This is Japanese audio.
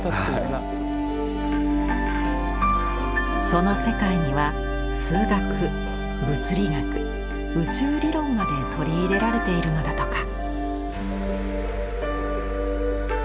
その世界には数学物理学宇宙理論まで取り入れられているのだとか。